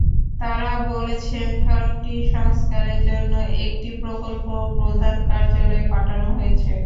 তাঁরা বলেছেন, সড়কটি সংস্কারের জন্য একটি প্রকল্প প্রধান কার্যালয়ে পাঠানো হয়েছে।